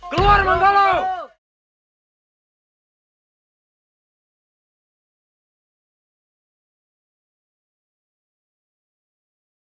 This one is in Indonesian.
jangan mengaminkannya seperti sesuar